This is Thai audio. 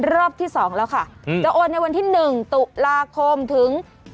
รอบที่๒แล้วค่ะจะโอนในวันที่๑ตุลาคมถึง